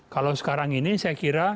kalau sekarang ini saya kira